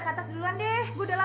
kayaknya kita perlu kebanyakan